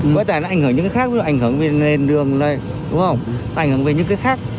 với tài nạn ảnh hưởng những cái khác ảnh hưởng về nền đường ảnh hưởng về những cái khác